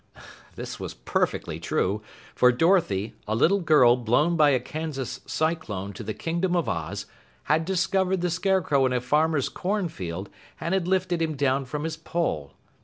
This was perfectly true, for Dorothy, a little girl blown by a Kansas cyclone to the Kingdom of Oz, had discovered the Scarecrow in a farmer's cornfield and had lifted him down from his pole.